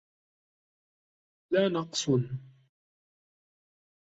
لَا نَقْصٌ